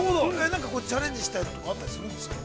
何かチャレンジしたいのとかあったりするんですか。